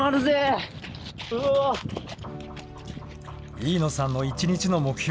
飯野さんの１日の目標